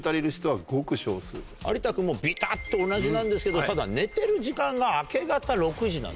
有田君もビタっと同じなんですけどただ寝てる時間が明け方６時なんですよ。